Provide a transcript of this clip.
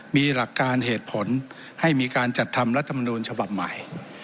มีหลักการเหตุผลให้มีการจัดทำรัฐมนูลฉบับใหม่